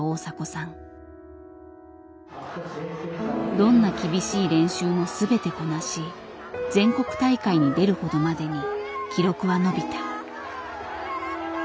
どんな厳しい練習も全てこなし全国大会に出るほどまでに記録は伸びた。